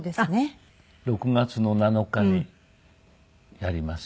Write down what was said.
６月の７日にやります。